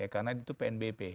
karena itu pnbp